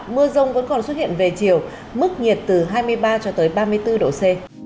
mưa rông vẫn còn xuất hiện về chiều mức nhiệt từ hai mươi ba cho tới ba mươi bốn độ c